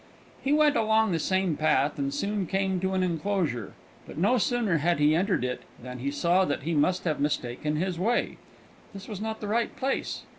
He went along the same path, and soon came to an enclosure; but no sooner had he entered it than he saw that he must have mistaken his way; this was not the right place.